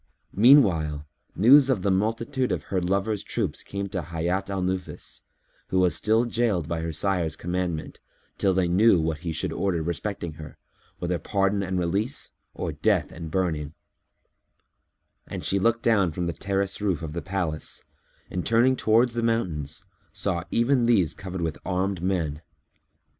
Meanwhile, news of the multitude of her lover's troops came to Hayat al Nufus, who was still jailed by her sire's commandment, till they knew what he should order respecting her, whether pardon and release or death and burning; and she looked down from the terrace roof of the palace and, turning towards the mountains, saw even these covered with armed men.